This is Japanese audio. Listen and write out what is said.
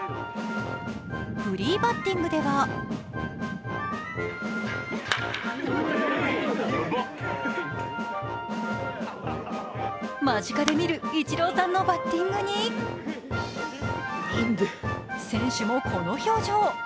フリーバッティングでは間近で見るイチローさんのバッティングに選手もこの表情。